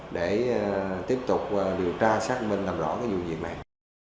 để tiếp tục điều tra xác minh làm rõ cái vụ việc này